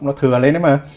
nó thừa lên đấy mà